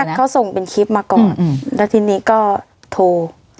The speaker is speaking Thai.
ที่แรกเขาส่งเป็นคลิปมาก่อนอืมอืมแล้วทีนี้ก็โทร